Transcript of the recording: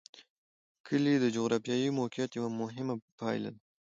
کلي د جغرافیایي موقیعت یوه مهمه پایله ده.